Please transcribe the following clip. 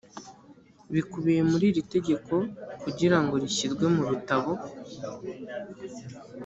bikubiye muri iri tegeko kugira ngo rishyirwe mu bitabo